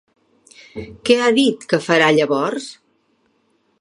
Què ha dit que farà llavors?